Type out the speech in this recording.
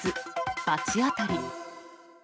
罰当たり。